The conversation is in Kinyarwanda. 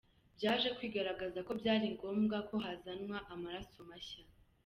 Byaje kwigaragaza ko byari ngombwa ko hazanwa amaraso mashya.